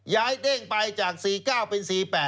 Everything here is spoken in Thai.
เด้งไปจาก๔๙เป็น๔๘